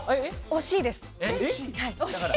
惜しいです。